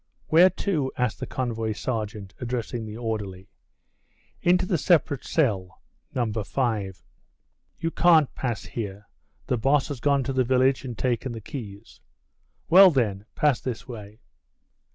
"Where to?" asked the convoy sergeant, addressing the orderly. "Into the separate cell, No. 5." "You can't pass here; the boss has gone to the village and taken the keys." "Well, then, pass this way."